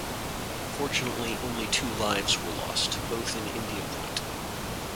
Fortunately, only two lives were lost, both in India Point.